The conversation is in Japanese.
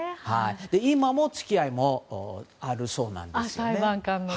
今も付き合いがあるそうなんです。